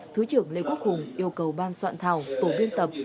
thứ trưởng lê quốc hùng yêu cầu ban soạn thảo tổ biên tập